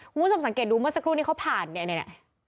คุณผู้ชมสังเกตดูเมื่อสักครู่นี้เขาผ่านเนี่ย